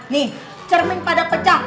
nih cermin pada pecah